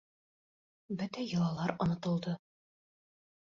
Бөтә йолалар онотолдо.